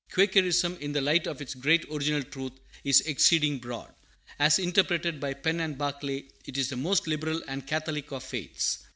Quakerism, in the light of its great original truth, is "exceeding broad." As interpreted by Penn and Barclay it is the most liberal and catholic of faiths.